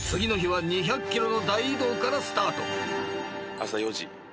朝４時。